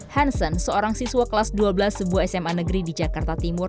hansen seorang siswa kelas dua belas sebuah sma negeri di jakarta timur